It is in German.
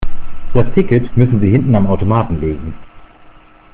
Das Ticket müssen Sie hinten am Automaten lösen.